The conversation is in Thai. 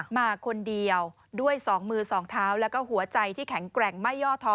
มาคนเดียวด้วย๒มือ๒เท้าแล้วก็หัวใจที่แข็งแกร่งไม่ย่อท้อ